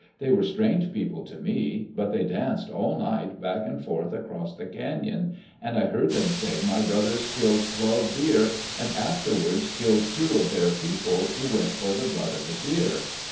They were strange people to me, but they danced all night back and forth across the canon and I heard them say my brothers killed twelve deer and afterwards killed two of their people who went for the blood of the deer.